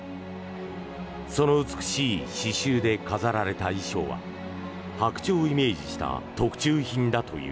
その美しい刺しゅうで飾られた衣装はハクチョウをイメージした特注品だという。